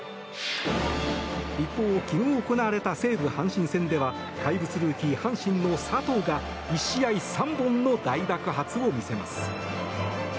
一方、昨日行われた西武・阪神戦では怪物ルーキー、阪神の佐藤が１試合３本の大爆発を見せます。